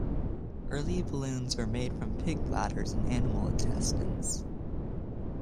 Early balloons were made from pig bladders and animal intestines.